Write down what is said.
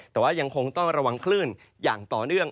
แต่ว่ายังคงต้องระวังคลื่นอย่างต่อเนื่อง